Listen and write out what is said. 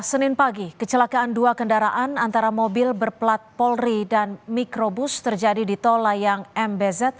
senin pagi kecelakaan dua kendaraan antara mobil berplat polri dan mikrobus terjadi di tol layang mbz